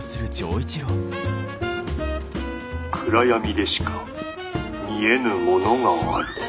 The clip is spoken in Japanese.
「暗闇でしか見えぬものがある。